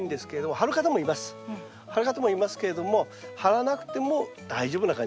張る方もいますけれども張らなくても大丈夫な感じですね。